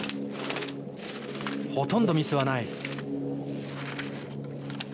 ほとんどミスはない。